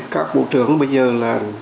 các bộ trưởng bây giờ là